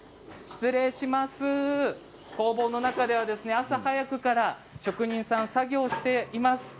工房の中では朝早くから職人さんが作業しています。